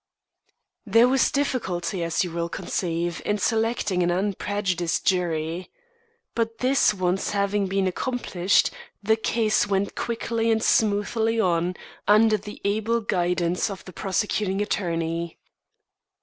There was difficulty, as you will conceive, in selecting an unprejudiced jury. But this once having been accomplished, the case went quickly and smoothly on under the able guidance of the prosecuting attorney.